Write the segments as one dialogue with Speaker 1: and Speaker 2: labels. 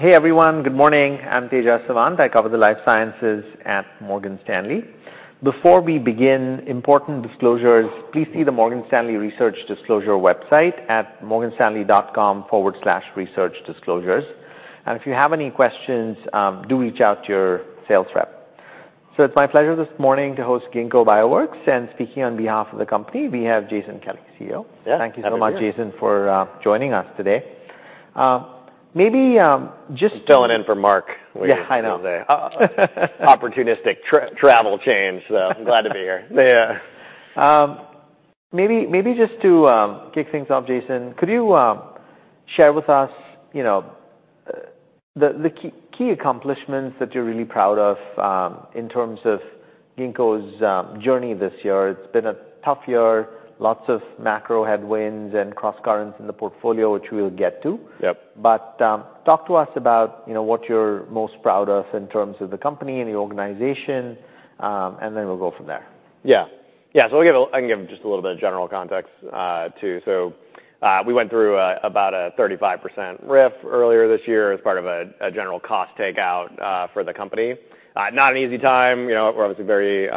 Speaker 1: Hey, everyone. Good morning. I'm Tejas Sawant. I cover the life sciences at Morgan Stanley. Before we begin, important disclosures, please see the Morgan Stanley Research Disclosure website at morganstanley.com/researchdisclosures. If you have any questions, do reach out to your sales rep. It's my pleasure this morning to host Ginkgo Bioworks, and speaking on behalf of the company, we have Jason Kelly, CEO.
Speaker 2: Yeah, happy to be here.
Speaker 1: Thank you so much, Jason, for joining us today. Maybe, just—
Speaker 2: I'm filling in for Mark.
Speaker 1: Yeah, I know.
Speaker 2: Opportunistic travel change, so I'm glad to be here.
Speaker 1: Yeah. Maybe, maybe just to kick things off, Jason, could you share with us, you know, the key, key accomplishments that you're really proud of in terms of Ginkgo's journey this year? It's been a tough year, lots of macro headwinds and cross currents in the portfolio, which we'll get to.
Speaker 2: Yep.
Speaker 1: Talk to us about, you know, what you're most proud of in terms of the company and the organization, and then we'll go from there.
Speaker 2: Yeah. Yeah, so I'll give a—I can give just a little bit of general context, too. We went through about a 35% RIF earlier this year as part of a general cost takeout for the company. Not an easy time, you know, we're obviously very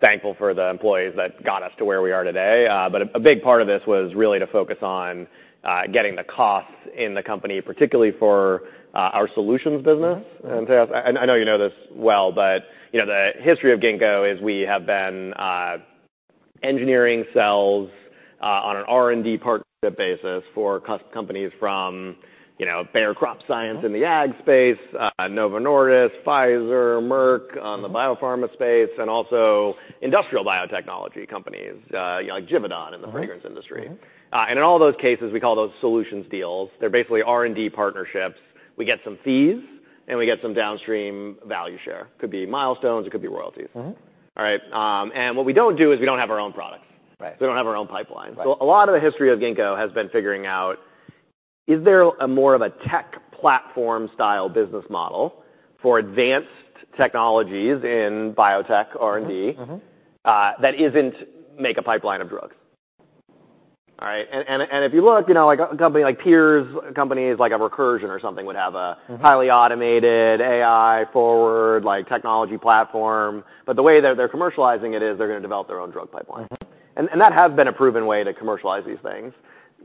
Speaker 2: thankful for the employees that got us to where we are today. A big part of this was really to focus on getting the costs in the company, particularly for our solutions business.
Speaker 1: Mm-hmm.
Speaker 2: Teja, I know you know this well, but, you know, the history of Ginkgo is we have been engineering cells on an R&D partnership basis for companies from, you know, Bayer CropScience in the ag space, Novo Nordisk, Pfizer, Merck, on the biopharma space, and also industrial biotechnology companies, like Givaudan.
Speaker 1: Mm-hmm
Speaker 2: -in the fragrance industry.
Speaker 1: Mm-hmm.
Speaker 2: And in all those cases, we call those solutions deals. They're basically R&D partnerships. We get some fees, and we get some downstream value share. Could be milestones, it could be royalties.
Speaker 1: Mm-hmm.
Speaker 2: All right, and what we don't do is we don't have our own products.
Speaker 1: Right.
Speaker 2: We don't have our own pipeline.
Speaker 1: Right.
Speaker 2: A lot of the history of Ginkgo has been figuring out, is there a more of a tech platform style business model for advanced technologies in biotech R&D?
Speaker 1: Mm-hmm, mm-hmm
Speaker 2: That isn't make a pipeline of drugs? All right, and if you look, you know, like a company like peers, companies like a Recursion or something, would have a-
Speaker 1: Mm-hmm
Speaker 2: Highly automated, AI forward, like technology platform, but the way that they're commercializing it is they're going to develop their own drug pipeline.
Speaker 1: Mm-hmm.
Speaker 2: That has been a proven way to commercialize these things.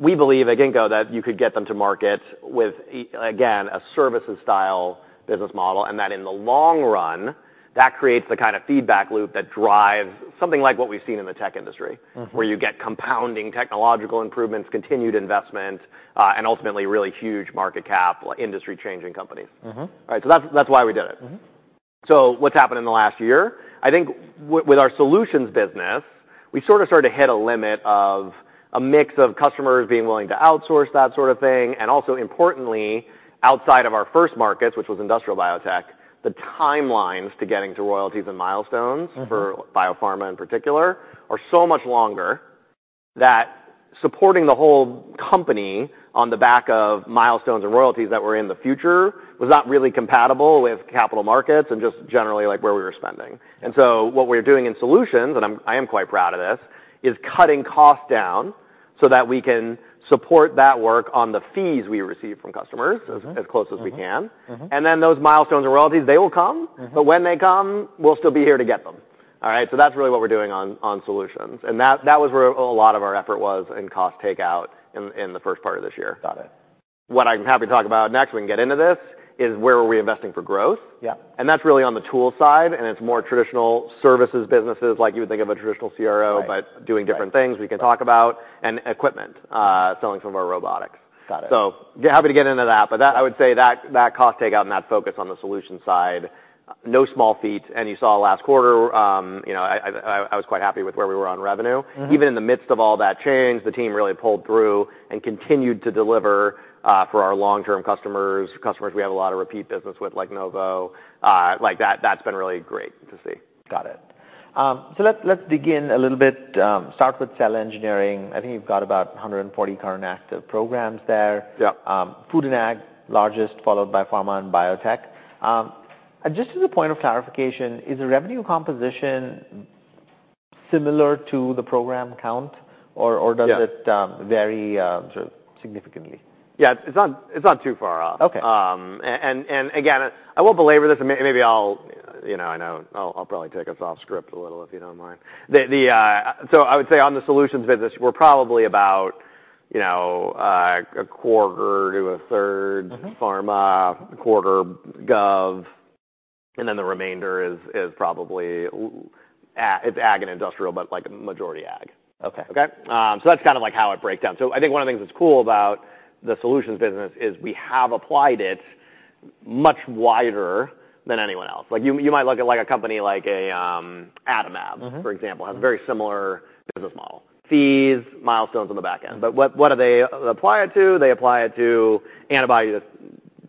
Speaker 2: We believe at Ginkgo that you could get them to market with, again, a services style business model, and that in the long run, that creates the kind of feedback loop that drives something like what we've seen in the tech industry.
Speaker 1: Mm-hmm.
Speaker 2: Where you get compounding technological improvements, continued investment, and ultimately really huge market cap, like industry-changing companies.
Speaker 1: Mm-hmm.
Speaker 2: All right, so that's why we did it.
Speaker 1: Mm-hmm.
Speaker 2: What's happened in the last year? I think with our solutions business, we sort of started to hit a limit of a mix of customers being willing to outsource that sort of thing, and also importantly, outside of our first markets, which was industrial biotech, the timelines to getting to royalties and milestones
Speaker 1: Mm-hmm
Speaker 2: -for biopharma in particular, are so much longer, that supporting the whole company on the back of milestones and royalties that were in the future, was not really compatible with capital markets and just generally, like, where we were spending. Mm-hmm. What we are doing in solutions, and I am quite proud of this, is cutting costs down so that we can support that work on the fees we receive from customers.
Speaker 1: Mm-hmm
Speaker 2: As close as we can.
Speaker 1: Mm-hmm. Mm-hmm.
Speaker 2: Those milestones and royalties, they will come—
Speaker 1: Mm-hmm
Speaker 2: When they come, we'll still be here to get them. All right, so that's really what we're doing on solutions. That was where a lot of our effort was in cost takeout in the first part of this year.
Speaker 1: Got it.
Speaker 2: What I'm happy to talk about next, we can get into this, is where are we investing for growth?
Speaker 1: Yeah.
Speaker 2: That's really on the tool side, and it's more traditional services businesses, like you would think of a traditional CRO.
Speaker 1: Right
Speaker 2: but doing different things we can talk about.
Speaker 1: Right
Speaker 2: And equipment, selling some of our robotics.
Speaker 1: Got it.
Speaker 2: Yeah, happy to get into that. I would say that cost takeout and that focus on the solution side, no small feat, and you saw last quarter, you know, I was quite happy with where we were on revenue.
Speaker 1: Mm-hmm.
Speaker 2: Even in the midst of all that change, the team really pulled through and continued to deliver for our long-term customers. Customers we have a lot of repeat business with, like Novo, like that, that's been really great to see.
Speaker 1: Got it. Let's begin a little bit, start with cell engineering. I think you've got about 140 current active programs there.
Speaker 2: Yeah.
Speaker 1: Food and ag, largest, followed by pharma and biotech. Just as a point of clarification, is the revenue composition similar to the program count, or, or—
Speaker 2: Yeah
Speaker 1: does it vary, sort of significantly?
Speaker 2: Yeah, it's not, it's not too far off.
Speaker 1: Okay.
Speaker 2: And again, I won't belabor this, and maybe I'll you know, I know, I'll probably take us off script a little, if you don't mind. The, the I would say on the solutions business, we're probably about, you know, a quarter to a third-
Speaker 1: Mm-hmm
Speaker 2: -pharma, a quarter gov, and then the remainder is, is probably a- it's ag and industrial, but like majority ag.
Speaker 1: Okay.
Speaker 2: Okay? So that's kind of like how it breaks down. I think one of the things that's cool about the solutions business is we have applied it much wider than anyone else. Like, you might look at like a company like a, Adimab-
Speaker 1: Mm-hmm
Speaker 2: -for example, has a very similar business model. Fees, milestones on the back end.
Speaker 1: Mm-hmm.
Speaker 2: What do they apply it to? They apply it to antibody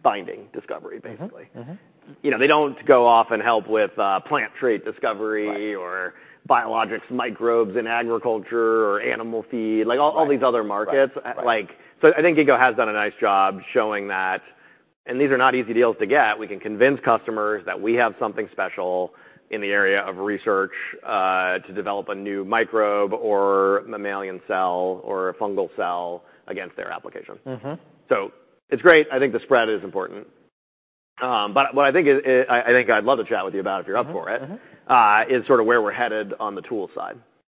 Speaker 2: binding discovery, basically.
Speaker 1: Mm-hmm. Mm-hmm.
Speaker 2: You know, they don't go off and help with, plant trait discovery.
Speaker 1: Right
Speaker 2: Or biologics, microbes in agriculture, or animal feed.
Speaker 1: Right
Speaker 2: Like, all, all these other markets.
Speaker 1: Right. Right.
Speaker 2: Like, so I think Ginkgo has done a nice job showing that, and these are not easy deals to get. We can convince customers that we have something special in the area of research, to develop a new microbe or mammalian cell or a fungal cell against their application.
Speaker 1: Mm-hmm.
Speaker 2: It is great. I think the spread is important. What I think is, I think I'd love to chat with you about if you're up for it.
Speaker 1: Mm-hmm, mm-hmm
Speaker 2: Is sort of where we're headed on the tool side.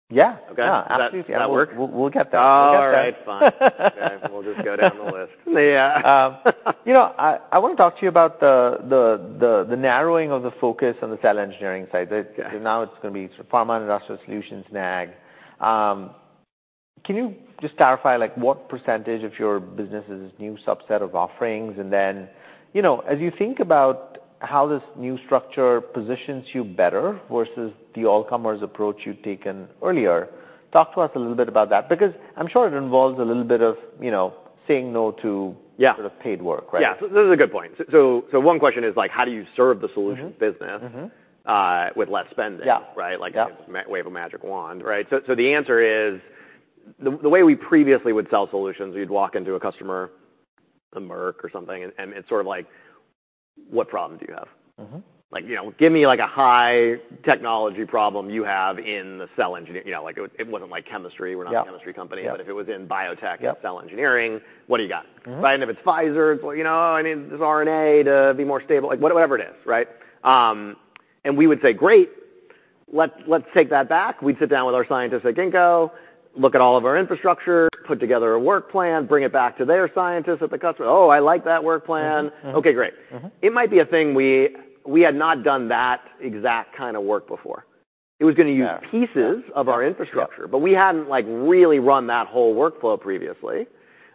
Speaker 1: Yeah.
Speaker 2: Okay.
Speaker 1: Yeah.
Speaker 2: Does that work?
Speaker 1: We'll get there.
Speaker 2: All right, fine. Okay, we'll just go down the list.
Speaker 1: Yeah. You know, I want to talk to you about the narrowing of the focus on the cell engineering side.
Speaker 2: Yeah.
Speaker 1: Now it's gonna be pharma and industrial solutions, and ag. Can you just clarify, like, what percentage of your business is this new subset of offerings? And then, you know, as you think about how this new structure positions you better versus the all-comers approach you'd taken earlier, talk to us a little bit about that, because I'm sure it involves a little bit of, you know, saying no to-
Speaker 2: Yeah
Speaker 1: Sort of paid work, right?
Speaker 2: Yeah. This is a good point. One question is like, how do you serve the solutions?
Speaker 1: Mm-hmm
Speaker 2: Business-
Speaker 1: Mm-hmm
Speaker 2: with less spending?
Speaker 1: Yeah.
Speaker 2: Right?
Speaker 1: Yeah.
Speaker 2: Like, wave a magic wand, right? The answer is, the way we previously would sell solutions, we'd walk into a customer, a Merck or something, and it's sort of like: What problem do you have?
Speaker 1: Mm-hmm.
Speaker 2: Like, you know, give me, like, a high technology problem you have in the cell engineer—you know, like, it, it wasn't like chemistry.
Speaker 1: Yeah.
Speaker 2: We're not a chemistry company.
Speaker 1: Yeah.
Speaker 2: If it was in biotech—
Speaker 1: Yeah
Speaker 2: and cell engineering, what do you got?
Speaker 1: Mm-hmm.
Speaker 2: Right, and if it's Pfizer, you know, I need this RNA to be more stable. Like, whatever it is, right? And we would say, "Great, let's, let's take that back." We'd sit down with our scientists at Ginkgo, look at all of our infrastructure, put together a work plan, bring it back to their scientists at the customer. "Oh, I like that work plan.
Speaker 1: Mm-hmm, mm-hmm.
Speaker 2: Okay, great.
Speaker 1: Mm-hmm.
Speaker 2: It might be a thing we had not done that exact kind of work before.
Speaker 1: Yeah.
Speaker 2: It was gonna use pieces of our infrastructure.
Speaker 1: Yeah
Speaker 2: But we hadn't, like, really run that whole workflow previously.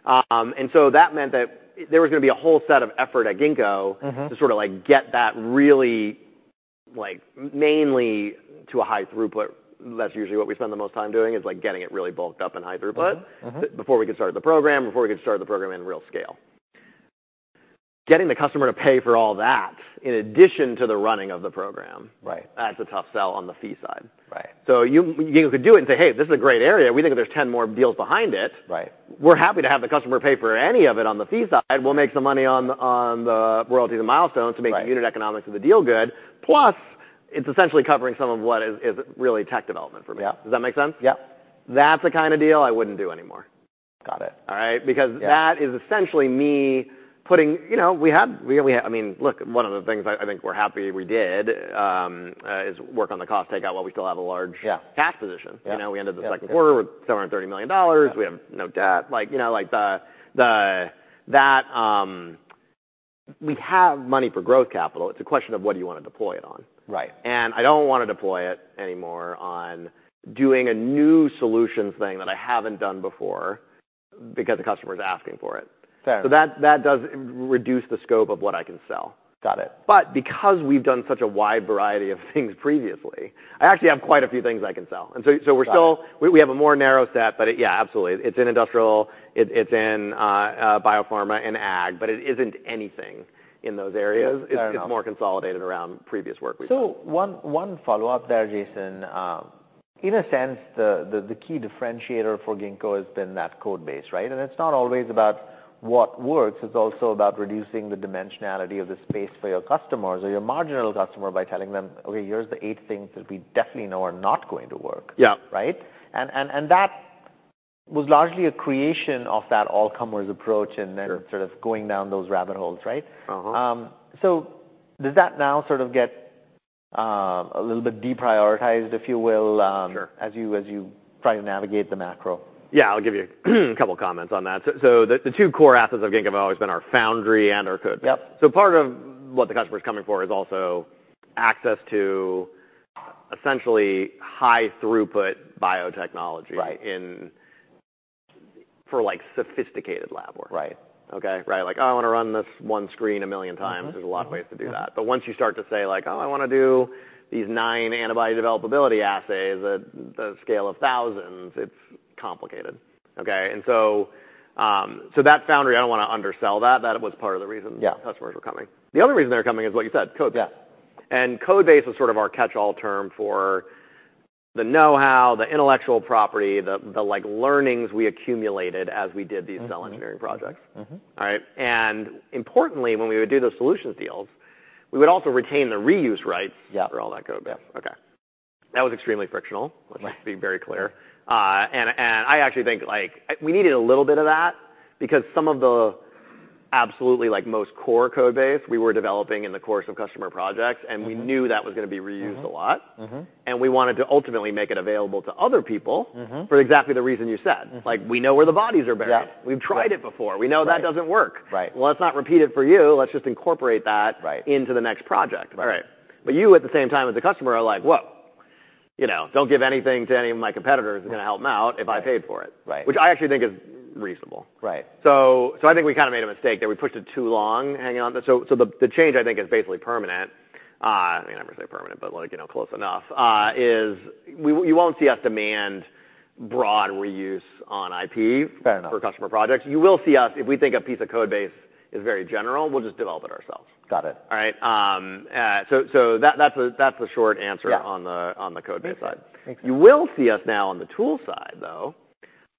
Speaker 2: And so that meant that there was gonna be a whole set of effort at Ginkgo.
Speaker 1: Mm-hmm
Speaker 2: To sort of, like, get that really, like, mainly to a high throughput. That's usually what we spend the most time doing, is, like, getting it really bulked up in high throughput.
Speaker 1: Mm-hmm, mm-hmm
Speaker 2: Before we could start the program, before we could start the program in real scale. Getting the customer to pay for all that, in addition to the running of the program.
Speaker 1: Right
Speaker 2: That's a tough sell on the fee side.
Speaker 1: Right.
Speaker 2: You could do it and say, "Hey, this is a great area. We think there's ten more deals behind it.
Speaker 1: Right.
Speaker 2: We're happy to have the customer pay for any of it on the fee side. We'll make some money on the, on the royalty, the milestones.
Speaker 1: Right
Speaker 2: To make the unit economics of the deal good. Plus, it's essentially covering some of what is really tech development for me.
Speaker 1: Yeah.
Speaker 2: Does that make sense?
Speaker 1: Yeah.
Speaker 2: That's the kind of deal I wouldn't do anymore.
Speaker 1: Got it.
Speaker 2: All right?
Speaker 1: Yeah.
Speaker 2: Because that is essentially me putting you know, we have, we, we, I mean, look, one of the things I think we're happy we did is work on the cost takeout while we still have a large-
Speaker 1: Yeah
Speaker 2: cash position.
Speaker 1: Yeah.
Speaker 2: You know, we ended the second quarter.
Speaker 1: Yeah
Speaker 2: With $730 million.
Speaker 1: Yeah.
Speaker 2: We have no debt. Like, you know, like, we have money for growth capital, it's a question of what do you want to deploy it on?
Speaker 1: Right.
Speaker 2: I don't want to deploy it anymore on doing a new solutions thing that I haven't done before, because the customer is asking for it.
Speaker 1: Fair.
Speaker 2: That does reduce the scope of what I can sell.
Speaker 1: Got it.
Speaker 2: Because we've done such a wide variety of things previously, I actually have quite a few things I can sell.
Speaker 1: Got it.
Speaker 2: We're still, we have a more narrow set, but yeah, absolutely, it's in industrial, it's in biopharma and ag, but it isn't anything in those areas.
Speaker 1: Yeah, fair enough.
Speaker 2: It's more consolidated around previous work we've done.
Speaker 1: One follow-up there, Jason. In a sense, the key differentiator for Ginkgo has been that Codebase, right? And it's not always about what works, it's also about reducing the dimensionality of the space for your customers or your marginal customer by telling them, "Okay, here's the eight things that we definitely know are not going to work.
Speaker 2: Yeah.
Speaker 1: Right? And that was largely a creation of that all-comers approach.
Speaker 2: Sure
Speaker 1: And then sort of going down those rabbit holes, right?
Speaker 2: Uh-huh.
Speaker 1: So does that now sort of get, a little bit deprioritized, if you will,
Speaker 2: Sure
Speaker 1: as you try to navigate the macro?
Speaker 2: Yeah, I'll give you a couple comments on that. The two core assets of Ginkgo have always been our Foundry and our Codebase.
Speaker 1: Yep.
Speaker 2: Part of what the customer is coming for is also access to essentially high-throughput biotechnology.
Speaker 1: Right
Speaker 2: In, for like, sophisticated lab work.
Speaker 1: Right.
Speaker 2: Okay? Right, like, "I wanna run this one screen a million times.
Speaker 1: Mm-hmm.
Speaker 2: There's a lot of ways to do that.
Speaker 1: Yeah.
Speaker 2: Once you start to say like, "Oh, I wanna do these nine antibody developability assays at the scale of thousands," it's complicated, okay? That foundry, I don't want to undersell that. That was part of the reason.
Speaker 1: Yeah
Speaker 2: Customers were coming. The other reason they're coming is, like you said, Codebase.
Speaker 1: Yeah.
Speaker 2: Codebase is sort of our catch-all term for the know-how, the intellectual property, the, like, learnings we accumulated as we did-
Speaker 1: Mm-hmm, mm-hmm
Speaker 2: these cell engineering projects.
Speaker 1: Mm-hmm.
Speaker 2: All right? Importantly, when we would do those solutions deals, we would also retain the reuse rights.
Speaker 1: Yeah
Speaker 2: For all that Codebase.
Speaker 1: Yeah.
Speaker 2: Okay. That was extremely frictional.
Speaker 1: Right
Speaker 2: Let's be very clear. And I actually think, like, we needed a little bit of that, because some of the absolutely, like, most core Codebase we were developing in the course of customer projects.
Speaker 1: Mm-hmm
Speaker 2: And we knew that was gonna be reused a lot.
Speaker 1: Mm-hmm, mm-hmm.
Speaker 2: We wanted to ultimately make it available to other people.
Speaker 1: Mm-hmm
Speaker 2: For exactly the reason you said.
Speaker 1: Mm-hmm.
Speaker 2: Like, we know where the bodies are buried.
Speaker 1: Yeah.
Speaker 2: We've tried it before.
Speaker 1: Yeah.
Speaker 2: We know that doesn't work.
Speaker 1: Right.
Speaker 2: Let's not repeat it for you, let's just incorporate that-
Speaker 1: Right
Speaker 2: into the next project.
Speaker 1: Right.
Speaker 2: All right. You, at the same time, as the customer, are like: "Whoa, you know, don't give anything to any of my competitors who are gonna help him out if I paid for it.
Speaker 1: Right.
Speaker 2: Which I actually think is reasonable.
Speaker 1: Right.
Speaker 2: I think we kind of made a mistake there. We pushed it too long, hanging on. The change, I think, is basically permanent. I mean, I never say permanent, but like, you know, close enough, is we, you will not see us demand broad reuse on IP-
Speaker 1: Fair enough
Speaker 2: for customer projects. You will see us, if we think a piece of Codebase is very general, we'll just develop it ourselves.
Speaker 1: Got it.
Speaker 2: All right? So, so that, that's the, that's the short answer.
Speaker 1: Yeah
Speaker 2: On the, on the Codebase side.
Speaker 1: Makes sense.
Speaker 2: You will see us now on the tool side, though,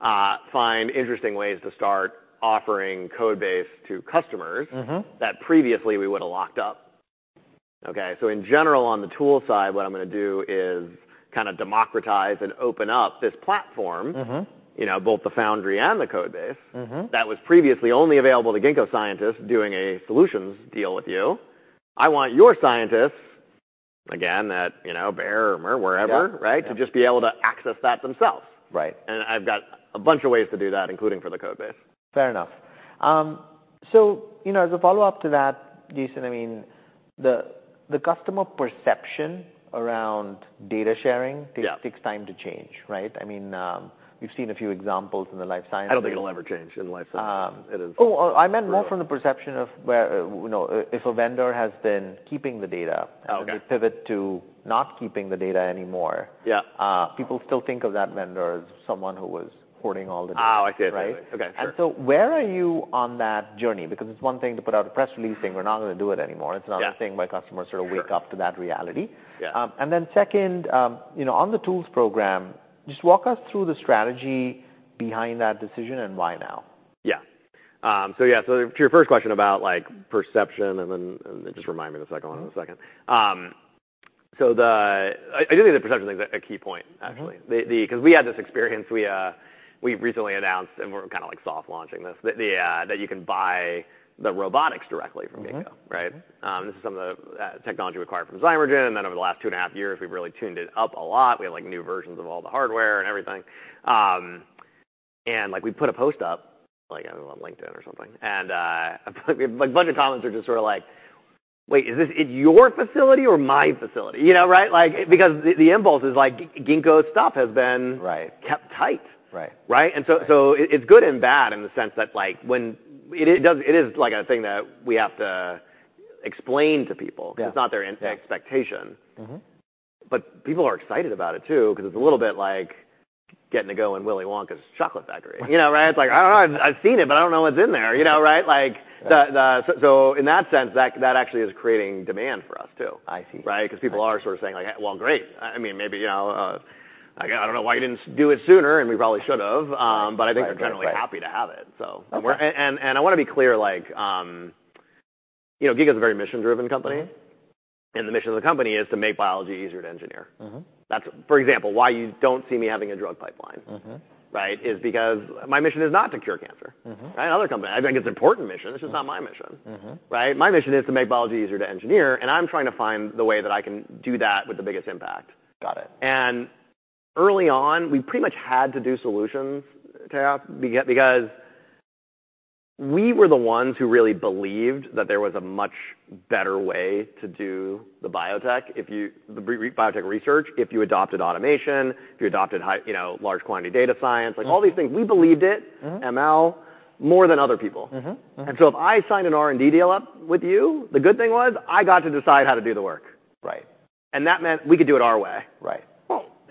Speaker 2: find interesting ways to start offering Codebase to customers-
Speaker 1: Mm-hmm
Speaker 2: that previously we would've locked up. Okay, so in general, on the tool side, what I'm gonna do is kind of democratize and open up this platform-
Speaker 1: Mm-hmm.
Speaker 2: you know, both the Foundry and the Codebase
Speaker 1: Mm-hmm.
Speaker 2: that was previously only available to Ginkgo scientists doing a solutions deal with you. I want your scientists, again, at, you know, Bayer or wherever
Speaker 1: Yeah.
Speaker 2: -right? To just be able to access that themselves.
Speaker 1: Right.
Speaker 2: I've got a bunch of ways to do that, including for the Codebase.
Speaker 1: Fair enough. So, you know, as a follow-up to that, Jason, I mean, the customer perception around data sharing—
Speaker 2: Yeah
Speaker 1: Takes time to change, right? I mean, we've seen a few examples in the life science—
Speaker 2: I don't think it'll ever change in life science. It is-
Speaker 1: Oh, I meant more from the perception of where, you know, if a vendor has been keeping the data—
Speaker 2: Okay.
Speaker 1: -they pivot to not keeping the data anymore.
Speaker 2: Yeah
Speaker 1: People still think of that vendor as someone who was hoarding all the data.
Speaker 2: Oh, I see what you're saying.
Speaker 1: Right?
Speaker 2: Okay, sure.
Speaker 1: Where are you on that journey? Because it's one thing to put out a press release saying, "We're not gonna do it anymore.
Speaker 2: Yeah.
Speaker 1: It's another thing my customers sort of wake up.
Speaker 2: Sure
Speaker 1: -to that reality.
Speaker 2: Yeah.
Speaker 1: And then second, you know, on the tools program, just walk us through the strategy behind that decision and why now?
Speaker 2: Yeah. Yeah, so to your first question about like perception and then, and just remind me the second one in a second. So the I do think the perception thing is a key point, actually.
Speaker 1: Mm-hmm.
Speaker 2: Because we had this experience, we recently announced, and we're kind of like soft launching this, that you can buy the robotics directly from Ginkgo.
Speaker 1: Mm-hmm.
Speaker 2: Right? This is some of the technology we acquired from Zymergen, and then over the last two and a half years, we've really tuned it up a lot. We have, like, new versions of all the hardware and everything. Like, we put a post up, like on LinkedIn or something, and a bunch of comments are just sort of like, "Wait, is this in your facility or my facility?" You know, right? Like, because the impulse is like Ginkgo's stuff has been
Speaker 1: Right
Speaker 2: -kept tight.
Speaker 1: Right.
Speaker 2: Right?
Speaker 1: Right.
Speaker 2: It is good and bad in the sense that, like, when it does, it is like a thing that we have to explain to people.
Speaker 1: Yeah
Speaker 2: because it's not their expectation.
Speaker 1: Mm-hmm.
Speaker 2: People are excited about it too, because it's a little bit like getting to go in Willy Wonka's chocolate factory, you know, right? It's like, "I've seen it, but I don't know what's in there," you know, right?
Speaker 1: Yeah.
Speaker 2: Like, the so in that sense, that actually is creating demand for us, too.
Speaker 1: I see.
Speaker 2: Right?
Speaker 1: Yeah.
Speaker 2: Because people are sort of saying like, "Well, great." I mean, maybe, you know, "I don't know why you didn't do it sooner," and we probably should have.
Speaker 1: Right.
Speaker 2: I think they're generally happy to have it, so.
Speaker 1: Okay.
Speaker 2: I wanna be clear, like, you know, Ginkgo is a very mission-driven company.
Speaker 1: Mm-hmm.
Speaker 2: The mission of the company is to make biology easier to engineer.
Speaker 1: Mm-hmm.
Speaker 2: That's, for example, why you don't see me having a drug pipeline.
Speaker 1: Mm-hmm.
Speaker 2: Right? Is because my mission is not to cure cancer.
Speaker 1: Mm-hmm.
Speaker 2: Right? Other companies. I think it's an important mission.
Speaker 1: Mm-hmm
Speaker 2: This is not my mission.
Speaker 1: Mm-hmm.
Speaker 2: Right? My mission is to make biology easier to engineer, and I'm trying to find the way that I can do that with the biggest impact.
Speaker 1: Got it.
Speaker 2: Early on, we pretty much had to do solutions, Teja, because we were the ones who really believed that there was a much better way to do the biotech research if you adopted automation, if you adopted high, you know, large quantity data science.
Speaker 1: Mm-hmm
Speaker 2: -like all these things, we believed it-
Speaker 1: Mm-hmm
Speaker 2: ML, more than other people.
Speaker 1: Mm-hmm. Mm-hmm
Speaker 2: If I signed an R&D deal up with you, the good thing was I got to decide how to do the work.
Speaker 1: Right.
Speaker 2: That meant we could do it our way.
Speaker 1: Right.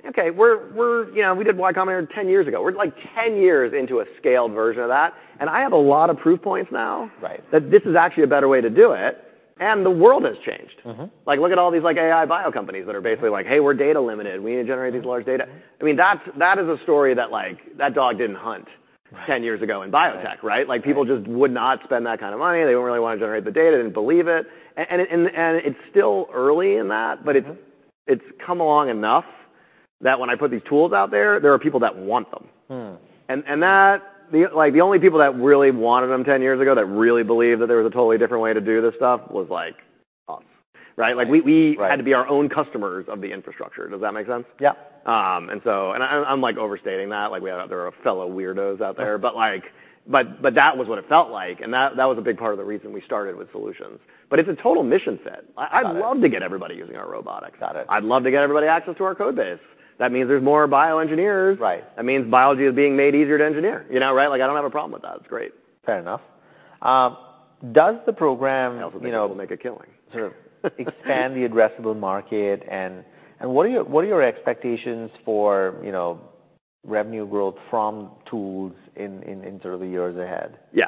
Speaker 2: Okay, we're, you know, we did Y Combinator ten years ago. We're like ten years into a scaled version of that, and I have a lot of proof points now.
Speaker 1: Right
Speaker 2: that this is actually a better way to do it, and the world has changed.
Speaker 1: Mm-hmm.
Speaker 2: Like, look at all these like AI bio companies that are basically like, "Hey, we're data limited. We need to generate these large data." I mean, that is a story that like, that dog didn't hunt.
Speaker 1: Right
Speaker 2: Ten years ago in biotech, right?
Speaker 1: Right.
Speaker 2: Like, people just would not spend that kind of money. They didn't really wanna generate the data, didn't believe it. And it's still early in that—
Speaker 1: Mm-hmm
Speaker 2: It's come along enough that when I put these tools out there, there are people that want them.
Speaker 1: Hmm.
Speaker 2: The only people that really wanted them ten years ago, that really believed that there was a totally different way to do this stuff, was like, us, right?
Speaker 1: Right.
Speaker 2: Like, we had to be our own customers of the infrastructure. Does that make sense?
Speaker 1: Yeah.
Speaker 2: And I'm, I'm like overstating that, like we had- there are fellow weirdos out there- but like, but, but that was what it felt like, and that, that was a big part of the reason we started with solutions. But it's a total mission set.
Speaker 1: Got it.
Speaker 2: I'd love to get everybody using our robotics.
Speaker 1: Got it.
Speaker 2: I'd love to get everybody access to our Codebase. That means there's more bioengineers.
Speaker 1: Right.
Speaker 2: That means biology is being made easier to engineer, you know, right? Like, I don't have a problem with that. It's great.
Speaker 1: Fair enough. Does the program—
Speaker 2: Also, people will make a killing.
Speaker 1: Sort of expand the addressable market? And what are your, what are your expectations for, you know, revenue growth from tools in, in, in sort of the years ahead?
Speaker 2: Yeah.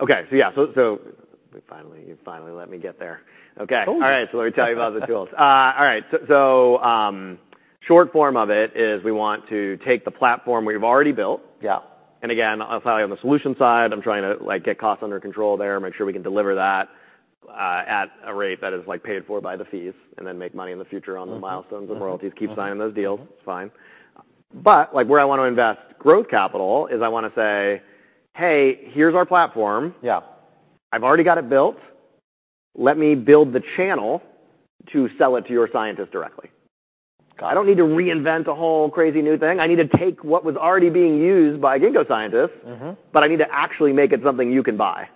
Speaker 2: Okay, so yeah, so finally, you finally let me get there. Okay.
Speaker 1: Cool.
Speaker 2: All right, so let me tell you about the tools. All right. So, short form of it is we want to take the platform we've already built.
Speaker 1: Yeah.
Speaker 2: Again, on the solution side, I'm trying to, like, get costs under control there, make sure we can deliver that, like, at a rate that is, like, paid for by the fees, and then make money in the future on the milestones.
Speaker 1: Mm-hmm
Speaker 2: -and royalties. Keep signing those deals.
Speaker 1: Mm-hmm.
Speaker 2: Fine. Like, where I wanna invest growth capital is I wanna say, "Hey, here's our platform.
Speaker 1: Yeah.
Speaker 2: I've already got it built. Let me build the channel to sell it to your scientists directly.
Speaker 1: Got it.
Speaker 2: I don't need to reinvent a whole crazy new thing. I need to take what was already being used by Ginkgo scientists.
Speaker 1: Mm-hmm
Speaker 2: I need to actually make it something you can buy.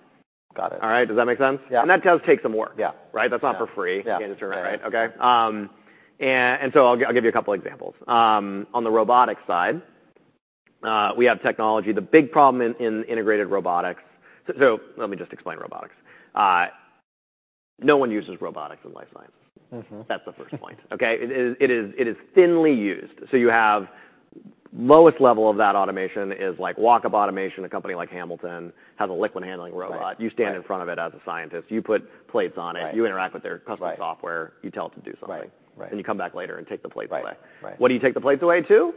Speaker 1: Got it.
Speaker 2: All right, does that make sense?
Speaker 1: Yeah.
Speaker 2: That does take some work.
Speaker 1: Yeah.
Speaker 2: Right?
Speaker 1: Yeah.
Speaker 2: That's not for free.
Speaker 1: Yeah.
Speaker 2: Right. Okay. And, and so I'll give you a couple examples. On the robotics side, we have technology. The big problem in, in integrated robotics—so, so let me just explain robotics. No one uses robotics in life science.
Speaker 1: Mm-hmm.
Speaker 2: That's the first point, okay? It is, it is thinly used. You have lowest level of that automation is like walk-up automation. A company like Hamilton has a liquid handling robot.
Speaker 1: Right.
Speaker 2: You stand in front of it as a scientist, you put plates on it.
Speaker 1: Right
Speaker 2: You interact with their custom software.
Speaker 1: Right
Speaker 2: you tell it to do something.
Speaker 1: Right, right.
Speaker 2: You come back later and take the plates away.
Speaker 1: Right, right.
Speaker 2: What do you take the plates away to?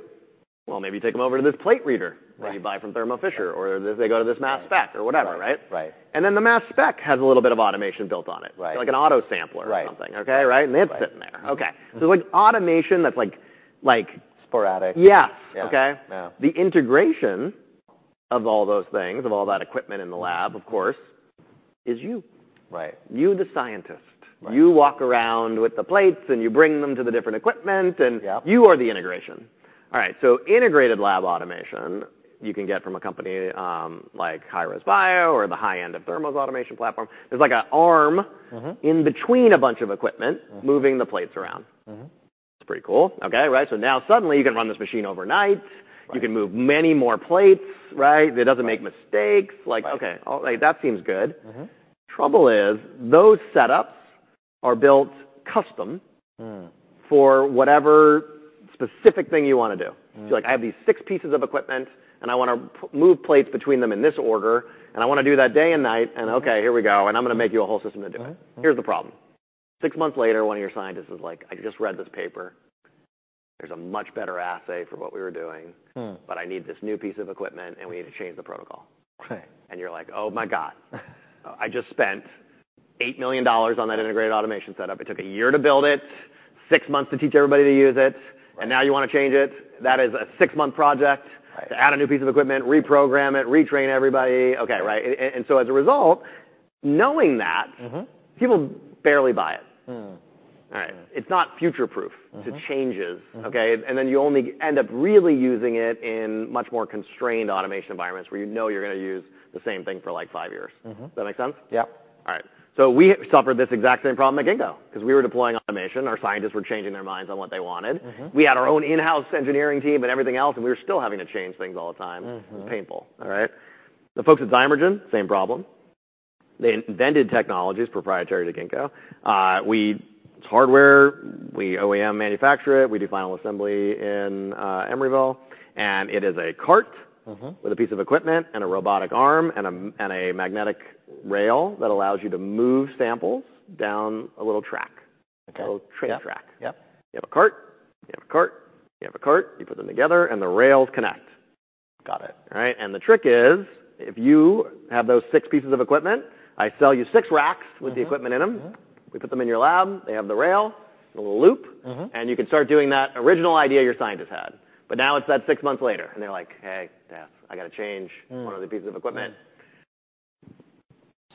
Speaker 2: Maybe you take them over to this plate reader.
Speaker 1: Right.
Speaker 2: -that you buy from Thermo Fisher, or they go to this mass spec or whatever, right?
Speaker 1: Right.
Speaker 2: The mass spec has a little bit of automation built on it.
Speaker 1: Right.
Speaker 2: Like an autosampler or something.
Speaker 1: Right.
Speaker 2: Okay, right?
Speaker 1: Right.
Speaker 2: It's sitting there. Okay. Like automation, that's like, like-
Speaker 1: Sporadic.
Speaker 2: Yeah.
Speaker 1: Yeah.
Speaker 2: Okay.
Speaker 1: Yeah.
Speaker 2: The integration of all those things, of all that equipment in the lab, of course, is you.
Speaker 1: Right.
Speaker 2: You, the scientist.
Speaker 1: Right.
Speaker 2: You walk around with the plates, and you bring them to the different equipment, and
Speaker 1: Yeah
Speaker 2: -you are the integration. All right, so integrated lab automation, you can get from a company like HighRes Biosolutions or the high-end of Thermo Fisher Scientific's automation platform. There's like an arm-
Speaker 1: Mm-hmm
Speaker 2: in between a bunch of equipment
Speaker 1: Mm-hmm
Speaker 2: -moving the plates around.
Speaker 1: Mm-hmm.
Speaker 2: It's pretty cool. Okay, right? So now suddenly, you can run this machine overnight.
Speaker 1: Right.
Speaker 2: You can move many more plates, right?
Speaker 1: Right.
Speaker 2: It doesn't make mistakes.
Speaker 1: Right.
Speaker 2: Like, okay, oh, that seems good.
Speaker 1: Mm-hmm.
Speaker 2: Trouble is, those setups are built custom.
Speaker 1: Mm
Speaker 2: -for whatever specific thing you wanna do.
Speaker 1: Mm-hmm.
Speaker 2: I have these six pieces of equipment, and I wanna move plates between them in this order, and I wanna do that day and night, and okay—
Speaker 1: Mm
Speaker 2: Here we go, and I'm gonna make you a whole system to do it.
Speaker 1: Right. Mm-hmm.
Speaker 2: Here's the problem. Six months later, one of your scientists is like, "I just read this paper. There's a much better assay for what we were doing.
Speaker 1: Mm
Speaker 2: I need this new piece of equipment, and we need to change the protocol.
Speaker 1: Right.
Speaker 2: Oh, my God! I just spent $8 million on that integrated automation setup. It took a year to build it, six months to teach everybody to use it.
Speaker 1: Right.
Speaker 2: You wanna change it? That is a six-month project.
Speaker 1: Right
Speaker 2: To add a new piece of equipment, reprogram it, retrain everybody. Okay, right.
Speaker 1: Yeah.
Speaker 2: As a result, knowing that-
Speaker 1: Mm-hmm
Speaker 2: People barely buy it.
Speaker 1: Mm.
Speaker 2: All right.
Speaker 1: Yeah.
Speaker 2: It's not future-proof.
Speaker 1: Mm-hmm
Speaker 2: -to changes.
Speaker 1: Mm-hmm.
Speaker 2: Okay, and then you only end up really using it in much more constrained automation environments, where you know you're gonna use the same thing for, like, five years.
Speaker 1: Mm-hmm.
Speaker 2: Does that make sense?
Speaker 1: Yep.
Speaker 2: All right. We suffered this exact same problem at Ginkgo, 'cause we were deploying automation, our scientists were changing their minds on what they wanted.
Speaker 1: Mm-hmm.
Speaker 2: We had our own in-house engineering team and everything else, and we were still having to change things all the time.
Speaker 1: Mm-hmm.
Speaker 2: Painful. All right? The folks at Zymergen, same problem. They invented technologies proprietary to Ginkgo. We-- It's hardware. We OEM manufacture it. We do final assembly in Emeryville, and it is a cart-
Speaker 1: Mm-hmm
Speaker 2: with a piece of equipment, and a robotic arm, and a magnetic rail that allows you to move samples down a little track.
Speaker 1: Okay.
Speaker 2: A little train track.
Speaker 1: Yep, yep.
Speaker 2: You have a cart, you have a cart, you put them together, and the rails connect.
Speaker 1: Got it.
Speaker 2: All right, and the trick is, if you have those six pieces of equipment, I sell you six racks.
Speaker 1: Mm-hmm
Speaker 2: -with the equipment in them.
Speaker 1: Mm-hmm.
Speaker 2: We put them in your lab, they have the rail and the loop.
Speaker 1: Mm-hmm.
Speaker 2: You can start doing that original idea your scientist had. Now it is six months later, and they're like: "Hey, yeah, I gotta change-
Speaker 1: Mm
Speaker 2: -one of the pieces of equipment.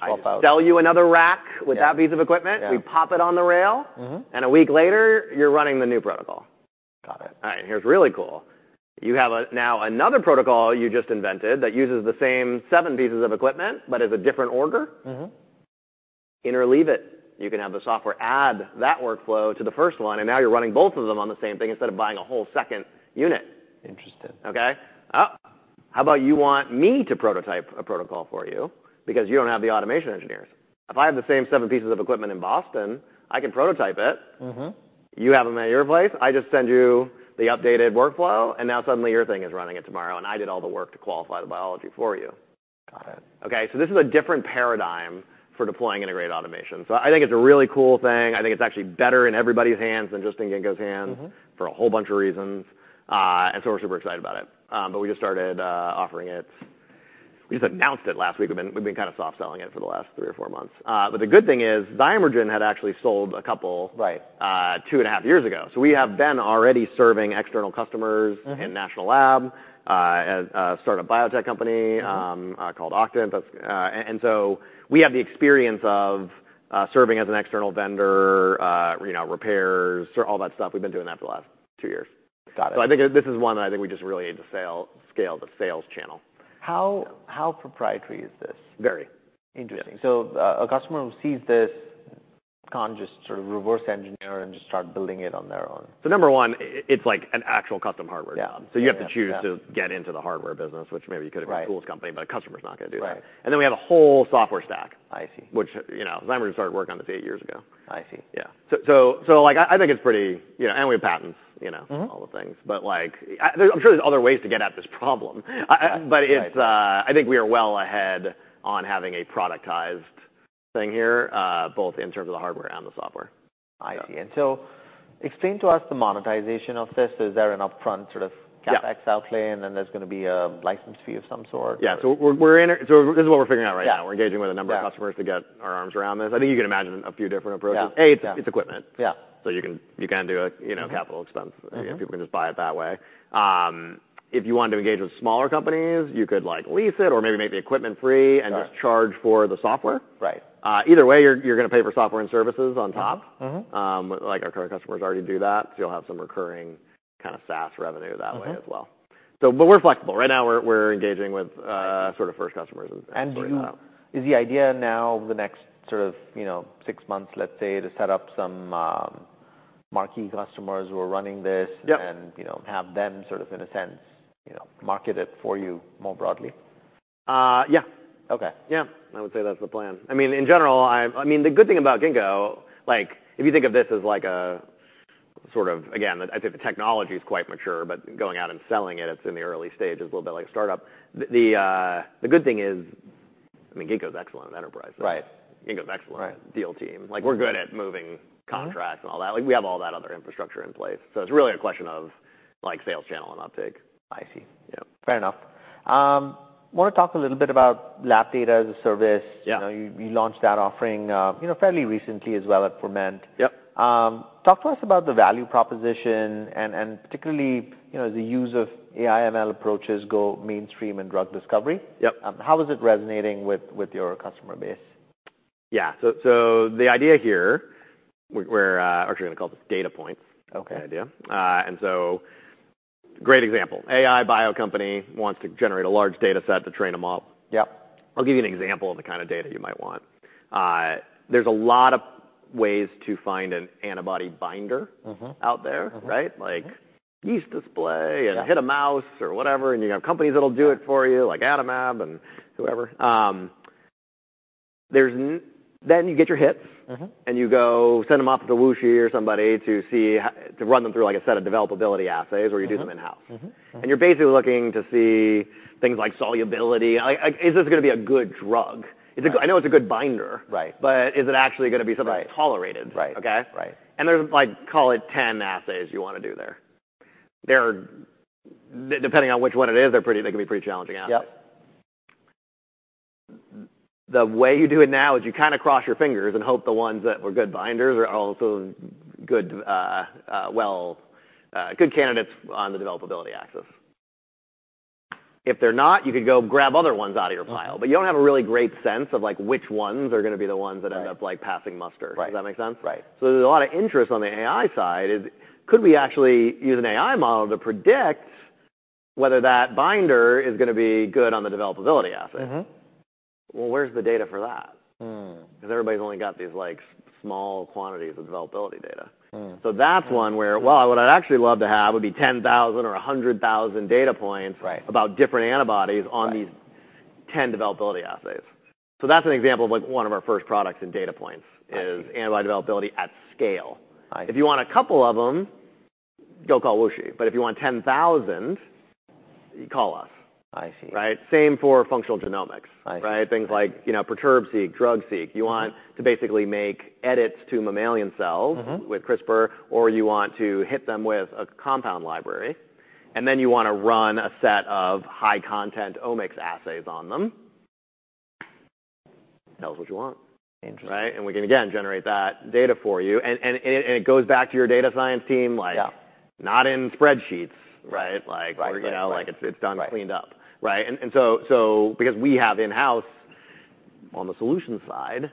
Speaker 1: Swap out.
Speaker 2: I sell you another rack.
Speaker 1: Yeah
Speaker 2: -with that piece of equipment.
Speaker 1: Yeah.
Speaker 2: We pop it on the rail.
Speaker 1: Mm-hmm.
Speaker 2: A week later, you're running the new protocol.
Speaker 1: Got it.
Speaker 2: All right, and here's really cool. You have a, now another protocol you just invented that uses the same seven pieces of equipment, but is a different order.
Speaker 1: Mm-hmm.
Speaker 2: Interleave it. You can have the software add that workflow to the first one, and now you're running both of them on the same thing instead of buying a whole second unit.
Speaker 1: Interesting.
Speaker 2: Okay? How about you want me to prototype a protocol for you because you do not have the automation engineers? If I have the same seven pieces of equipment in Boston, I can prototype it.
Speaker 1: Mm-hmm.
Speaker 2: You have them at your place, I just send you the updated workflow, and now suddenly your thing is running it tomorrow, and I did all the work to qualify the biology for you.
Speaker 1: Got it.
Speaker 2: Okay, so this is a different paradigm for deploying integrated automation. I think it's a really cool thing. I think it's actually better in everybody's hands than just in Ginkgo's hands.
Speaker 1: Mm-hmm
Speaker 2: for a whole bunch of reasons. And so we're super excited about it. We just started offering it. We just announced it last week. We've been kind of soft selling it for the last three or four months. The good thing is, Zymergen had actually sold a couple-
Speaker 1: Right
Speaker 2: two and a half years ago. We have been already serving external customers.
Speaker 1: Mm-hmm
Speaker 2: -in National Lab, as a startup biotech company-
Speaker 1: Mm
Speaker 2: called Octant. That's. And so we have the experience of serving as an external vendor, you know, repairs, so all that stuff, we've been doing that for the last two years.
Speaker 1: Got it.
Speaker 2: I think this is one that I think we just really need to scale the sales channel.
Speaker 1: How proprietary is this?
Speaker 2: Very.
Speaker 1: Interesting.
Speaker 2: Yeah.
Speaker 1: A customer who sees this can't just sort of reverse engineer and just start building it on their own?
Speaker 2: Number one, it, it's like an actual custom hardware job.
Speaker 1: Yeah.
Speaker 2: You have to choose-
Speaker 1: Yeah
Speaker 2: -to get into the hardware business, which maybe you could if you're a tools company-
Speaker 1: Right
Speaker 2: A customer's not gonna do that.
Speaker 1: Right.
Speaker 2: We have a whole software stack.
Speaker 1: I see.
Speaker 2: Which, you know, Zymergen started working on this eight years ago.
Speaker 1: I see.
Speaker 2: Yeah. So, like I think it's pretty you know, and we have patents, you know—
Speaker 1: Mm-hmm
Speaker 2: -all the things. Like, I'm sure there's other ways to get at this problem.
Speaker 1: Yeah, right.
Speaker 2: I think we are well ahead on having a productized thing here, both in terms of the hardware and the software.
Speaker 1: I see.
Speaker 2: Yeah.
Speaker 1: Explain to us the monetization of this. Is there an upfront sort of—
Speaker 2: Yeah
Speaker 1: CapEx outlay, and then there's gonna be a license fee of some sort?
Speaker 2: Yeah. We're in it. This is what we're figuring out right now.
Speaker 1: Yeah.
Speaker 2: We're engaging with a number of customers.
Speaker 1: Yeah
Speaker 2: to get our arms around this. I think you can imagine a few different approaches.
Speaker 1: Yeah, yeah.
Speaker 2: A, it's equipment.
Speaker 1: Yeah.
Speaker 2: You can do a, you know, capital expense.
Speaker 1: Mm-hmm.
Speaker 2: People can just buy it that way. If you want to engage with smaller companies, you could like lease it or maybe make the equipment free-
Speaker 1: Right
Speaker 2: -just charge for the software.
Speaker 1: Right.
Speaker 2: Either way, you're, you're gonna pay for software and services on top.
Speaker 1: Yeah. Mm-hmm.
Speaker 2: Like our current customers already do that. So you'll have some recurring kind of SaaS revenue that way as well.
Speaker 1: Mm-hmm.
Speaker 2: We're flexible. Right now, we're engaging with sort of first customers and sorting that out.
Speaker 1: Is the idea now, over the next sort of, you know, six months, let's say, to set up some marquee customers who are running this?
Speaker 2: Yep
Speaker 1: And, you know, have them sort of, in a sense, you know, market it for you more broadly?
Speaker 2: Uh, yeah.
Speaker 1: Okay.
Speaker 2: Yeah, I would say that's the plan. I mean, in general, I mean, the good thing about Ginkgo, like, if you think of this as like a sort of, again, I'd say the technology is quite mature, but going out and selling it, it's in the early stages, a little bit like a start-up. The good thing is, I mean, Ginkgo is excellent at enterprise.
Speaker 1: Right.
Speaker 2: Ginkgo is excellent.
Speaker 1: Right
Speaker 2: -at deal team. Like, we're good at moving contracts-
Speaker 1: Mm-hmm
Speaker 2: We have all that other infrastructure in place. It is really a question of, like, sales channel and uptake.
Speaker 1: I see.
Speaker 2: Yeah.
Speaker 1: Fair enough. I wanna talk a little bit about lab data as a service.
Speaker 2: Yeah.
Speaker 1: You know, you launched that offering, you know, fairly recently as well at Ferment.
Speaker 2: Yep.
Speaker 1: Talk to us about the value proposition and, and particularly, you know, as the use of AI/ML approaches go mainstream in drug discovery.
Speaker 2: Yep
Speaker 1: How is it resonating with, with your customer base?
Speaker 2: Yeah. So the idea here, we're actually gonna call this Datapoints.
Speaker 1: Okay.
Speaker 2: The idea. And so great example, AI bio company wants to generate a large data set to train a model.
Speaker 1: Yep.
Speaker 2: I'll give you an example of the kind of data you might want. There's a lot of ways to find an antibody binder-
Speaker 1: Mm-hmm
Speaker 2: -out there, right?
Speaker 1: Mm-hmm.
Speaker 2: Like yeast display.
Speaker 1: Yeah
Speaker 2: -and hit a mouse or whatever, and you have companies that'll do it for you.
Speaker 1: Yeah
Speaker 2: -like Abcam and whoever. There's n- then you get your hits-
Speaker 1: Mm-hmm
Speaker 2: -and you go send them off to WuXi or somebody to see, like, to run them through a set of developability assays, or you do them in-house.
Speaker 1: Mm-hmm, mm-hmm.
Speaker 2: You're basically looking to see things like solubility. Like, is this gonna be a good drug?
Speaker 1: Right.
Speaker 2: I know it's a good binder.
Speaker 1: Right
Speaker 2: Is it actually gonna be something?
Speaker 1: Right
Speaker 2: -tolerated?
Speaker 1: Right.
Speaker 2: Okay.
Speaker 1: Right.
Speaker 2: There are, like, call it 10 assays you wanna do there. There are, depending on which one it is, they can be pretty challenging assays.
Speaker 1: Yep.
Speaker 2: The way you do it now is you kind of cross your fingers and hope the ones that were good binders are also good, well, good candidates on the developability axis. If they're not, you could go grab other ones out of your pile, but you don't have a really great sense of, like, which ones are gonna be the ones that end up
Speaker 1: Right
Speaker 2: -like, passing muster.
Speaker 1: Right.
Speaker 2: Does that make sense?
Speaker 1: Right.
Speaker 2: There is a lot of interest on the AI side, is, could we actually use an AI model to predict whether that binder is gonna be good on the developability assay?
Speaker 1: Mm-hmm.
Speaker 2: Where's the data for that?
Speaker 1: Mm.
Speaker 2: 'Cause everybody's only got these, like, small quantities of developability data.
Speaker 1: Mm.
Speaker 2: That's one where, well, what I'd actually love to have would be 10,000 or 100,000 Datapoints.
Speaker 1: Right
Speaker 2: about different antibodies
Speaker 1: Right
Speaker 2: -on these ten developability assays. That is an example of, like, one of our first products in Datapoints-
Speaker 1: I see
Speaker 2: -is antibody developability at scale.
Speaker 1: I see.
Speaker 2: If you want a couple of them, go call WuXi, but if you want 10,000, you call us.
Speaker 1: I see.
Speaker 2: Right? Same for functional genomics.
Speaker 1: I see.
Speaker 2: Right. Things like, you know, Perturb-seq, Drug-seq.
Speaker 1: Mm.
Speaker 2: You want to basically make edits to mammalian cells.
Speaker 1: Mm-hmm
Speaker 2: -with CRISPR, or you want to hit them with a compound library, and then you wanna run a set of high content omics assays on them. Tell us what you want.
Speaker 1: Interesting.
Speaker 2: Right? We can again, generate that data for you. It goes back to your data science team, like-
Speaker 1: Yeah
Speaker 2: not in spreadsheets, right? Like—
Speaker 1: Right.
Speaker 2: you know, like it's, it's done.
Speaker 1: Right
Speaker 2: Cleaned up. Right. And so, because we have in-house, on the solution side,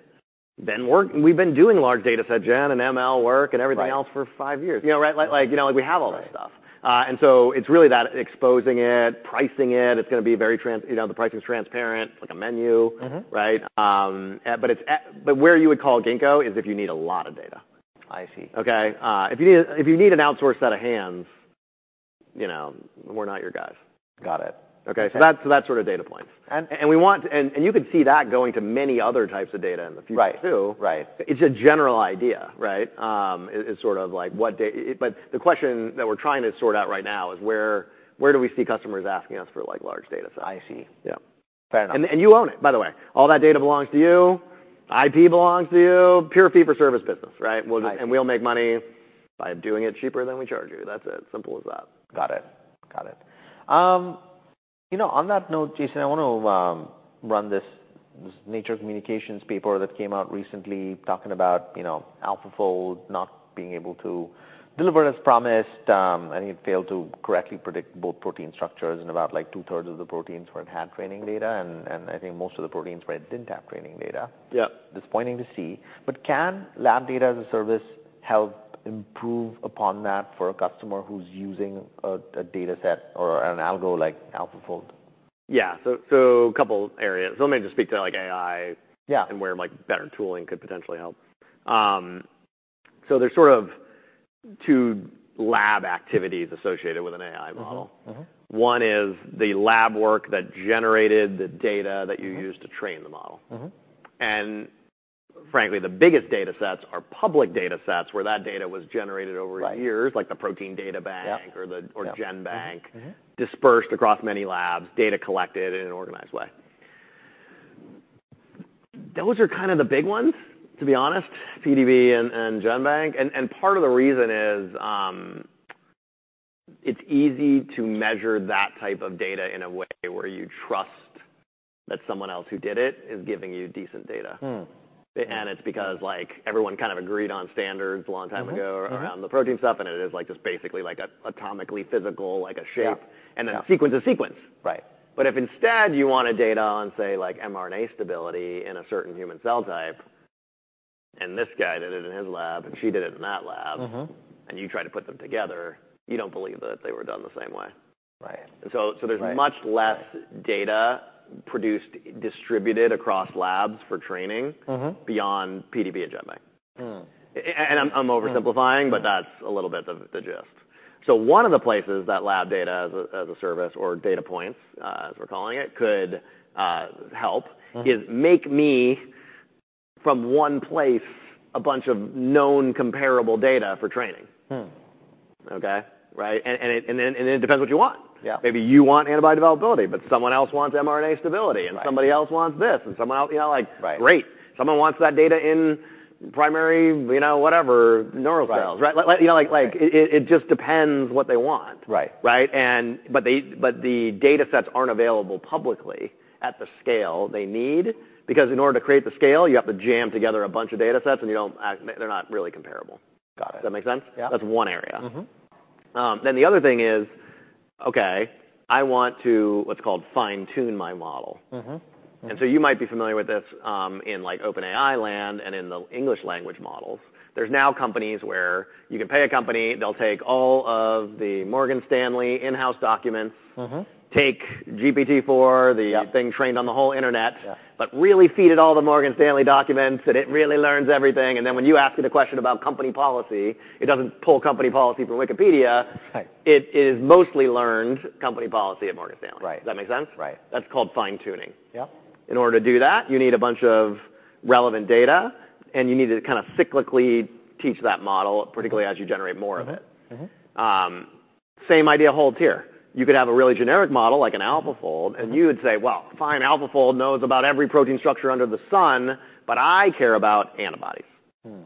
Speaker 2: been work- we've been doing large data set gen and ML work and everything else-
Speaker 1: Right
Speaker 2: -for five years, you know, right? Like, like, you know, we have all this stuff.
Speaker 1: Right.
Speaker 2: And so it's really that exposing it, pricing it, it's gonna be very trans-- you know, the pricing is transparent, like a menu.
Speaker 1: Mm-hmm.
Speaker 2: Right? Eh, but where you would call Ginkgo is if you need a lot of data.
Speaker 1: I see.
Speaker 2: Okay. If you need, if you need an outsourced set of hands, you know, we're not your guys.
Speaker 1: Got it.
Speaker 2: Okay.
Speaker 1: So-
Speaker 2: That sort of Datapoint.
Speaker 1: And-
Speaker 2: We want, and you could see that going to many other types of data in the future.
Speaker 1: Right
Speaker 2: -too.
Speaker 1: Right.
Speaker 2: It's a general idea, right? It's sort of like what da- but the question that we're trying to sort out right now is where, where do we see customers asking us for, like, large data sets?
Speaker 1: I see.
Speaker 2: Yeah.
Speaker 1: Fair enough.
Speaker 2: You own it, by the way. All that data belongs to you, IP belongs to you. Pure fee for service business, right?
Speaker 1: I see.
Speaker 2: We'll just make money by doing it cheaper than we charge you. That's it. Simple as that.
Speaker 1: Got it. Got it. You know, on that note, Jason, I want to run this, this Nature Communications paper that came out recently talking about, you know, AlphaFold not being able to deliver as promised. It failed to correctly predict both protein structures in about, like, two-thirds of the proteins where it had training data, and I think most of the proteins where it did not have training data.
Speaker 2: Yep.
Speaker 1: Disappointing to see. Can lab data as a service help improve upon that for a customer who's using a data set or an algo like AlphaFold?
Speaker 2: Yeah. So a couple areas. Let me just speak to, like, AI-
Speaker 1: Yeah
Speaker 2: -and where, like, better tooling could potentially help. There's sort of two lab activities associated with an AI model.
Speaker 1: Mm-hmm. Mm-hmm.
Speaker 2: One is the lab work that generated the data that you use to train the model.
Speaker 1: Mm-hmm.
Speaker 2: Frankly, the biggest data sets are public data sets, where that data was generated over years.
Speaker 1: Right
Speaker 2: Like the Protein Data Bank.
Speaker 1: Yep
Speaker 2: -or the-
Speaker 1: Yep
Speaker 2: -or GenBank-
Speaker 1: Mm-hmm
Speaker 2: Dispersed across many labs, data collected in an organized way. Those are kind of the big ones, to be honest, PDB and GenBank. Part of the reason is, it's easy to measure that type of data in a way where you trust that someone else who did it is giving you decent data.
Speaker 1: Hmm.
Speaker 2: It's because, like, everyone kind of agreed on standards a long time ago.
Speaker 1: Mm-hmm
Speaker 2: -around the protein stuff, and it is like just basically like a atomically physical, like a shape.
Speaker 1: Yeah
Speaker 2: -and a sequence to sequence.
Speaker 1: Right.
Speaker 2: If instead you wanted data on, say, like mRNA stability in a certain human cell type, and this guy did it in his lab, and she did it in that lab—
Speaker 1: Mm-hmm
Speaker 2: -and you try to put them together, you don't believe that they were done the same way.
Speaker 1: Right.
Speaker 2: There's-
Speaker 1: Right
Speaker 2: Much less data produced, distributed across labs for training.
Speaker 1: Mm-hmm
Speaker 2: -beyond PDB and GenBank.
Speaker 1: Hmm.
Speaker 2: And I'm, I'm oversimplifying—
Speaker 1: Yeah
Speaker 2: That's a little bit of the gist. One of the places that lab data as a service, or Datapoints as we're calling it, could help—
Speaker 1: Mm
Speaker 2: -is make me from one place, a bunch of known comparable data for training.
Speaker 1: Hmm.
Speaker 2: Okay, right, and it depends what you want.
Speaker 1: Yeah.
Speaker 2: Maybe you want antibody developability, but someone else wants mRNA stability.
Speaker 1: Right.
Speaker 2: -and somebody else wants this, and someone else, you know, like-
Speaker 1: Right
Speaker 2: Great! Someone wants that data in primary, you know, whatever, neural cells.
Speaker 1: Right.
Speaker 2: Right, like, you know, like-
Speaker 1: Right
Speaker 2: like, it just depends what they want.
Speaker 1: Right.
Speaker 2: Right? But the data sets aren't available publicly at the scale they need, because in order to create the scale, you have to jam together a bunch of data sets, and you don't actually—they're not really comparable.
Speaker 1: Got it.
Speaker 2: Does that make sense?
Speaker 1: Yeah.
Speaker 2: That's one area.
Speaker 1: Mm-hmm.
Speaker 2: Then the other thing is, okay, I want to, what's called fine-tune my model.
Speaker 1: Mm-hmm. Mm.
Speaker 2: You might be familiar with this, like, in OpenAI Land and in the English language models. There's now companies where you can pay a company, they'll take all of the Morgan Stanley in-house documents.
Speaker 1: Mm-hmm
Speaker 2: Take GPT-4, the-
Speaker 1: Yeah
Speaker 2: -thing trained on the whole internet.
Speaker 1: Yeah
Speaker 2: -but really feed it all the Morgan Stanley documents, and it really learns everything. Then when you ask it a question about company policy, it does not pull company policy from Wikipedia.
Speaker 1: Right.
Speaker 2: It is mostly learned company policy at Morgan Stanley.
Speaker 1: Right.
Speaker 2: Does that make sense?
Speaker 1: Right.
Speaker 2: That's called fine-tuning.
Speaker 1: Yeah.
Speaker 2: In order to do that, you need a bunch of relevant data, and you need to kind of cyclically teach that model, particularly as you generate more of it.
Speaker 1: Mm-hmm. Mm-hmm.
Speaker 2: Same idea holds here. You could have a really generic model like an AlphaFold, and you would say, "Well, fine, AlphaFold knows about every protein structure under the sun, but I care about antibodies.
Speaker 1: Hmm.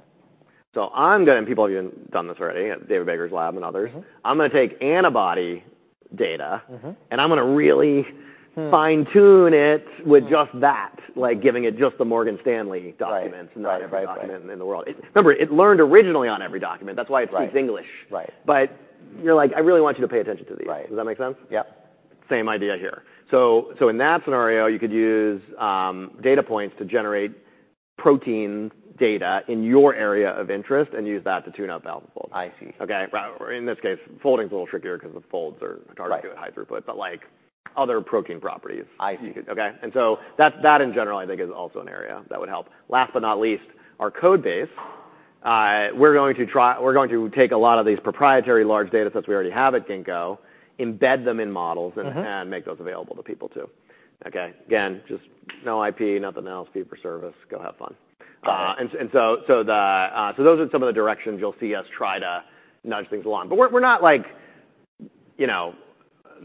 Speaker 2: I'm gonna. People have even done this already, at David Baker's lab and others.
Speaker 1: Mm-hmm.
Speaker 2: I'm gonna take antibody data.
Speaker 1: Mm-hmm
Speaker 2: I'm gonna really—
Speaker 1: Hmm
Speaker 2: fine-tune it with just that, like giving it just the Morgan Stanley documents.
Speaker 1: Right.
Speaker 2: Not every document in the world. Remember, it learned originally on every document. That's why it speaks English.
Speaker 1: Right. Right.
Speaker 2: You're like, "I really want you to pay attention to these.
Speaker 1: Right.
Speaker 2: Does that make sense?
Speaker 1: Yeah.
Speaker 2: Same idea here. In that scenario, you could use Datapoints to generate protein data in your area of interest and use that to tune up AlphaFold.
Speaker 1: I see.
Speaker 2: Okay, right, or in this case, folding is a little trickier because the folds are—
Speaker 1: Right
Speaker 2: Hard to do at high throughput, but like other protein properties.
Speaker 1: I see.
Speaker 2: Okay? That in general, I think is also an area that would help. Last but not least, our Codebase. We're going to try-- we're going to take a lot of these proprietary large datasets we already have at Ginkgo, embed them in models-
Speaker 1: Mm-hmm
Speaker 2: -and make those available to people, too. Okay. Again, just no IP, nothing else, fee for service. Go have fun.
Speaker 1: Got it.
Speaker 2: And so, so those are some of the directions you'll see us try to nudge things along. But we're, we're not like, you know,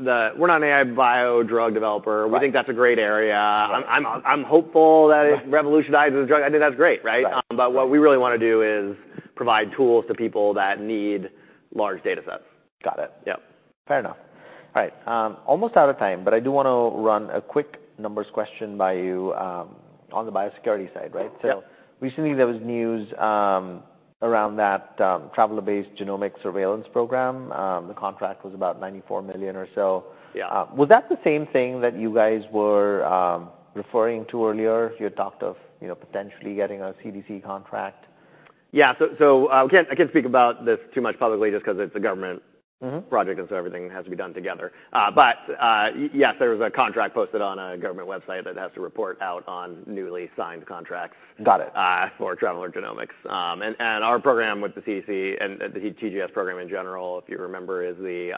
Speaker 2: we're not an AI bio drug developer.
Speaker 1: Right.
Speaker 2: We think that's a great area.
Speaker 1: Right.
Speaker 2: I'm hopeful that it-
Speaker 1: Right
Speaker 2: Revolutionizes drug. I think that's great, right?
Speaker 1: Right.
Speaker 2: What we really wanna do is provide tools to people that need large datasets.
Speaker 1: Got it.
Speaker 2: Yeah.
Speaker 1: Fair enough. All right, almost out of time, but I do wanna run a quick numbers question by you on the biosecurity side, right?
Speaker 2: Yeah.
Speaker 1: Recently, there was news around that Traveler-based Genomic Surveillance program. The contract was about $94 million or so. =
Speaker 2: Yeah.
Speaker 1: Was that the same thing that you guys were, you know, referring to earlier? You had talked of, you know, potentially getting a CDC contract.
Speaker 2: Yeah. So, again, I can't speak about this too much publicly just because it's a government-
Speaker 1: Mm-hmm
Speaker 2: -project, and so everything has to be done together. Yes, there was a contract posted on a government website that has to report out on newly signed contracts-
Speaker 1: Got it
Speaker 2: for traveler genomics. And our program with the CDC and the TGS program in general, if you remember, is the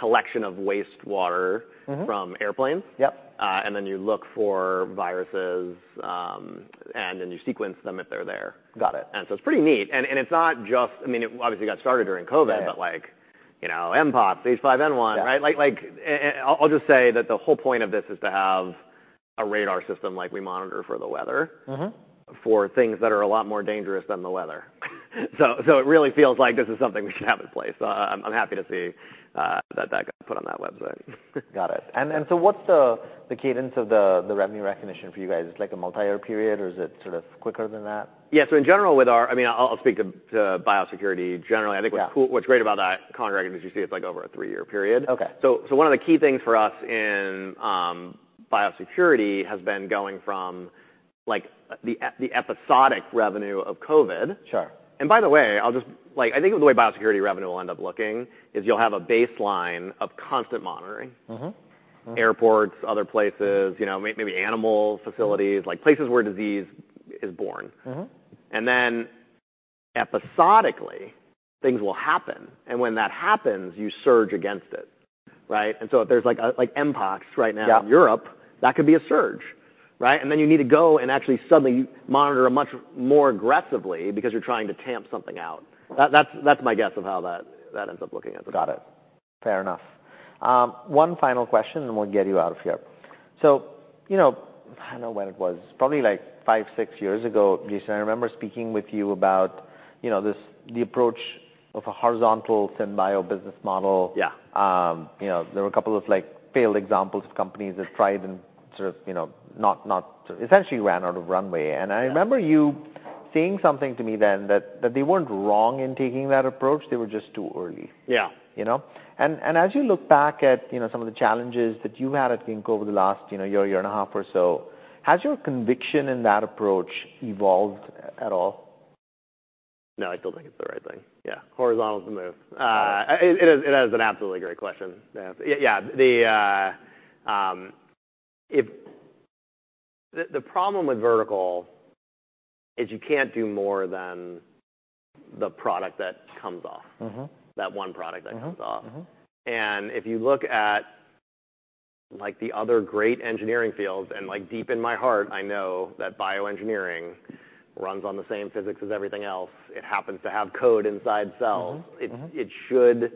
Speaker 2: collection of wastewater.
Speaker 1: Mm-hmm
Speaker 2: -from airplanes.
Speaker 1: Yep.
Speaker 2: And then you look for viruses, and then you sequence them if they're there.
Speaker 1: Got it.
Speaker 2: It is pretty neat. It is not just I mean, it obviously got started during COVID.
Speaker 1: Yeah
Speaker 2: But like, you know, mpox, H5N1.
Speaker 1: Yeah
Speaker 2: Right? Like, like, and I'll just say that the whole point of this is to have a radar system, like we monitor for the weather.
Speaker 1: Mm-hmm
Speaker 2: -for things that are a lot more dangerous than the weather. So it really feels like this is something we should have in place. I'm happy to see that that got put on that website.
Speaker 1: Got it. So what's the cadence of the revenue recognition for you guys? It's like a multi-year period, or is it sort of quicker than that?
Speaker 2: Yeah. In general, with our I mean, I'll speak to biosecurity generally.
Speaker 1: Yeah.
Speaker 2: I think what's cool, what's great about that contract, as you see, it's like over a three-year period.
Speaker 1: Okay.
Speaker 2: One of the key things for us in biosecurity has been going from like, the episodic revenue of COVID.
Speaker 1: Sure.
Speaker 2: By the way, I'll just like, I think the way biosecurity revenue will end up looking is, you'll have a baseline of constant monitoring.
Speaker 1: Mm-hmm. Mm.
Speaker 2: Airports, other places, you know, maybe animal facilities, like, places where disease is born.
Speaker 1: Mm-hmm.
Speaker 2: Then episodically, things will happen, and when that happens, you surge against it, right? If there's like a, like mpox right now-
Speaker 1: Yeah
Speaker 2: In Europe, that could be a surge, right? And then you need to go and actually suddenly monitor much more aggressively because you're trying to tamp something out. That's my guess of how that ends up looking as well.
Speaker 1: Got it. Fair enough. One final question, and we'll get you out of here. You know, I don't know when it was, probably like five, six years ago, Jason, I remember speaking with you about, you know, this, the approach of a horizontal SynBio business model.
Speaker 2: Yeah.
Speaker 1: You know, there were a couple of, like, failed examples of companies that tried and sort of, you know, not, not essentially ran out of runway.
Speaker 2: Yeah.
Speaker 1: I remember you saying something to me then, that they weren't wrong in taking that approach, they were just too early.
Speaker 2: Yeah.
Speaker 1: You know, as you look back at, you know, some of the challenges that you've had at Ginkgo over the last, you know, year, year and a half or so, has your conviction in that approach evolved at all?
Speaker 2: No, I still think it's the right thing. Yeah, horizontal is the move. It is, it is an absolutely great question. Yeah, the, if the problem with vertical is you can't do more than the product that comes off-
Speaker 1: Mm-hmm
Speaker 2: that one product that comes off.
Speaker 1: Mm-hmm. Mm-hmm.
Speaker 2: If you look at, like, the other great engineering fields, and, like, deep in my heart, I know that bioengineering runs on the same physics as everything else. It happens to have code inside cells.
Speaker 1: Mm-hmm. Mm-hmm.
Speaker 2: It should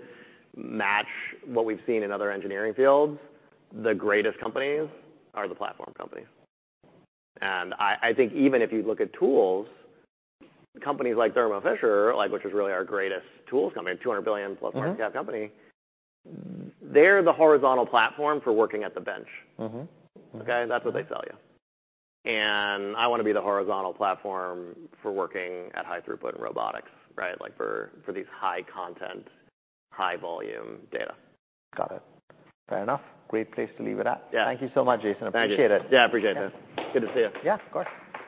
Speaker 2: match what we've seen in other engineering fields. The greatest companies are the platform companies. I think even if you look at tools companies like Thermo Fisher, which is really our greatest tools company, $200 billion plus market cap company.
Speaker 1: Mm-hmm
Speaker 2: They're the horizontal platform for working at the bench.
Speaker 1: Mm-hmm. Mm-hmm.
Speaker 2: Okay? That's what they sell you. I wanna be the horizontal platform for working at high throughput in robotics, right? Like, for these high-content, high-volume data.
Speaker 1: Got it. Fair enough. Great place to leave it at.
Speaker 2: Yeah.
Speaker 1: Thank you so much, Jason.
Speaker 2: Thank you.
Speaker 1: Appreciate it.
Speaker 2: Yeah, appreciate it.
Speaker 1: Yeah.
Speaker 2: Good to see you.
Speaker 1: Yeah, of course.